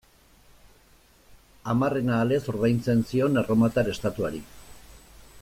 Hamarrena alez ordaintzen zion erromatar estatuari.